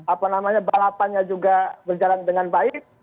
apa namanya balapannya juga berjalan dengan baik